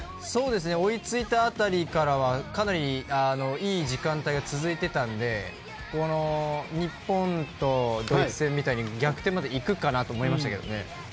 追いついた辺りからはかなりいい時間帯が続いていたので日本とドイツ戦みたいに逆転までいくかなと思いましたけどね。